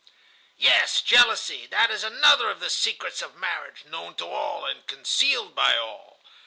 "Yes, jealousy, that is another of the secrets of marriage known to all and concealed by all.